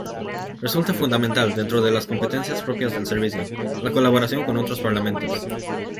Resulta fundamental, dentro de las competencias propias del servicio, la colaboración con otros parlamentos.